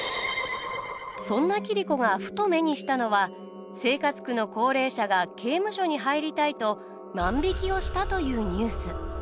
そんな桐子がふと目にしたのは生活苦の高齢者が刑務所に入りたいと万引きをしたというニュース。